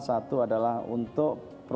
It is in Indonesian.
satu adalah untuk